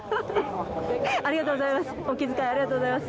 ありがとうございます。